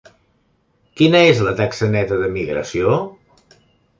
Quina és la taxa neta de migració?